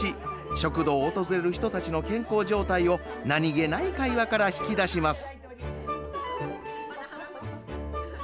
食堂を訪れる人たちの健康状態を何気ない会話から引き出します。